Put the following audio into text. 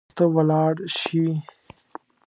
ته ولاړ شي